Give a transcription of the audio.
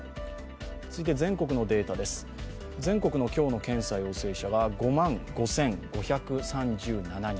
全国のデータです、全国の今日の検査陽性者は５万５５３７人。